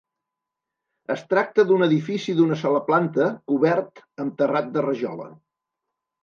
Es tracta d'un edifici d'una sola planta cobert amb terrat de rajola.